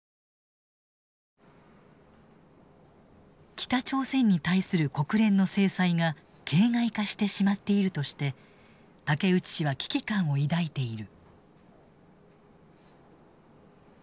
北朝鮮に対する国連の制裁が形骸化してしまっているとして竹内氏は危機感を抱いている。